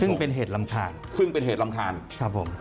ซึ่งเป็นเหตุรำคาญซึ่งเป็นเหตุรำคาญครับผม